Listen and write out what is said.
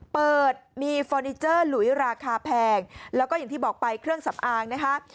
เปิดมีเฟอร์นิเจอร์หลุยราคาแพงแล้วก็อย่างที่บอกไปเครื่องสำอางนะคะ